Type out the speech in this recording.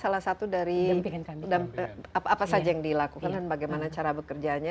salah satu dari apa saja yang dilakukan dan bagaimana cara bekerjanya